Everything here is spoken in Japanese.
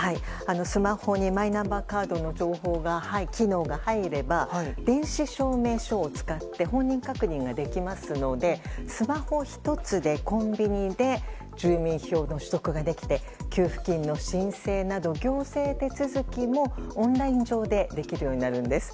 スマホにマイナンバーカードの機能が入れば電子証明書を使って本人確認ができますのでスマホ１つでコンビニで住民票の取得ができて給付金の申請など行政手続きもオンライン上でできるようになるんです。